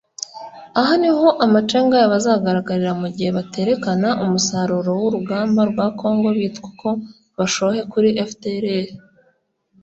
Aha niho amacenga yabo azagaragarira mugihe baterekana umusaruro w’urugamba rwa Congo bitwa ko bashohe kuri fdrl